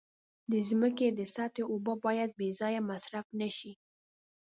د ځمکې د سطحې اوبه باید بې ځایه مصرف نشي.